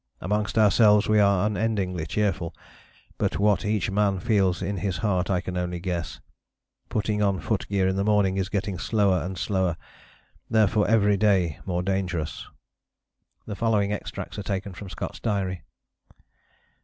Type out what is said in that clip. Amongst ourselves we are unendingly cheerful, but what each man feels in his heart I can only guess. Putting on foot gear in the morning is getting slower and slower, therefore every day more dangerous." The following extracts are taken from Scott's diary.